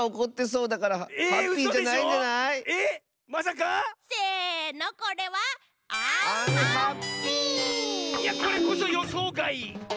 いやこれこそよそうがい！